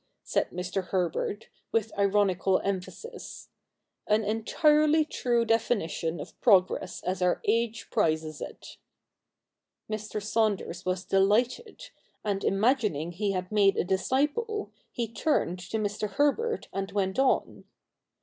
' said Mr. Herbert, with ironical emphasis ;' an entirely true definition of progress as our age prizes it.' Mr. Saunders was delighted, and, imagining he had made a disciple, he turned to Mr. Herbei and went on.